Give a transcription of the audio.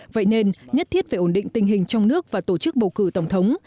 vậy nên nhất thiết phải ổn định tình hình trong nước và tổ chức bầu cử tổng thống